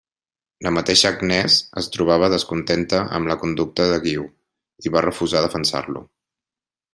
La mateixa Agnès es trobava descontenta amb la conducta de Guiu i va refusar defensar-lo.